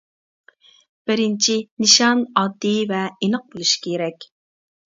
بىرىنچى، نىشان ئاددىي ۋە ئېنىق بولۇشى كېرەك.